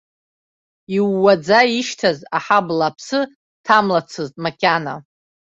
Иууаӡа ишьҭаз аҳабла аԥсы ҭамлацызт макьана.